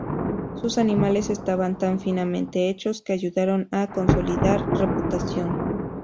Sus animales estaban tan finamente hechos que ayudaron a consolidar reputación.